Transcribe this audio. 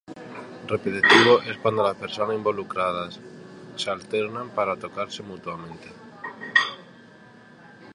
Repetitivo es cuando las personas involucradas se alternan para tocarse mutuamente.